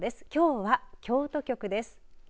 きょうは京都局です。